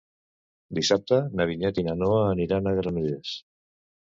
Dissabte na Vinyet i na Noa aniran a Granollers.